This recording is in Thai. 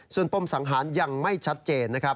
ส่วนป้มสังหารยังไม่ชัดเจน